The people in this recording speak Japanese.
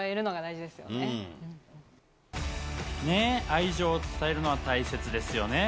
愛情を伝えるのは大切ですよね。